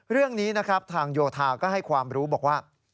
เรื่องนี้นะครับทางโยธาก็ให้ความรู้บอกว่า